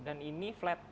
dan ini flat